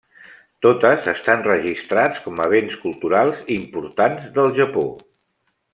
Totes estan registrats com a Béns Culturals Importants del Japó.